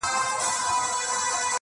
سایله اوس دي پر دښتونو عزرائیل وګوره.!